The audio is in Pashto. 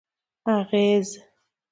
اغېز: